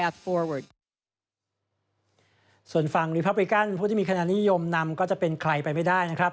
ต้นฟังริพบริการ์เนี่ยขนาดนิยมนำก็จะเป็นใครไปแล้วนะครับ